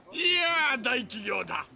いや大企業だ。